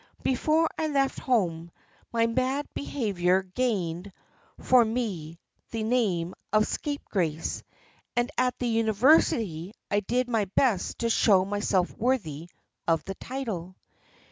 Before I left home my bad behaviour had gained for me the name of the Scapegrace, and at the University I did my best to show myself worthy of the title.